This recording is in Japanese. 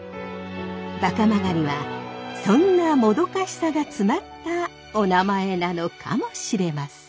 馬鹿曲はそんなもどかしさが詰まったおなまえなのかもしれません。